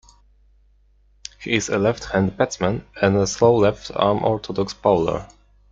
He is a left-hand batsman and a slow left-arm orthodox bowler.